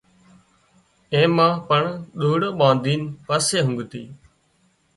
اين مان پڻ ۮئيڙو ٻانڌين پسي اونگتي